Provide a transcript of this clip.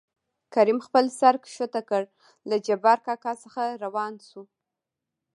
کريم خپل سر ښکته کړ له جبار کاکا څخه راوان شو.